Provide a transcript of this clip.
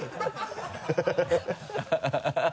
ハハハ